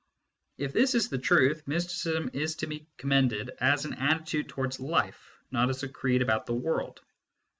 If this is the truth, mysticism is to be commended as an attitude towards life, not as a creed about the world.